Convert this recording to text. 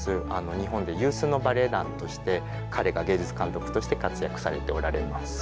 日本で有数のバレエ団として彼が芸術監督として活躍されておられます。